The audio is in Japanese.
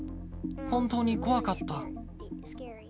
本当に怖かった。